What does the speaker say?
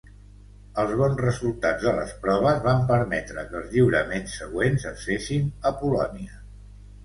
Els bons resultats de les proves van permetre que els lliuraments següents es fessin a Polònia.